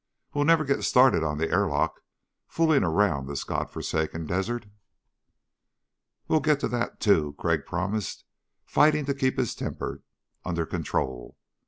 We'll never get started on the airlock fooling around this god forsaken desert." "Well get to that, too," Crag promised, fighting to keep his temper under control.